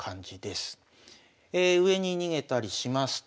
上に逃げたりしますと。